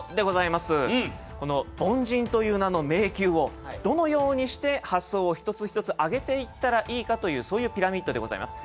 この凡人という名の迷宮をどのようにして発想を一つ一つ上げていったらいいかというそういうピラミッドでございます。